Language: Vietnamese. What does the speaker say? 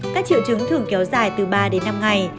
các triệu chứng thường kéo dài từ ba đến năm ngày